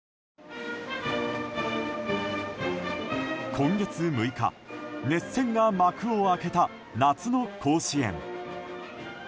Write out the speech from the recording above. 今月６日熱戦が幕を開けた夏の甲子園。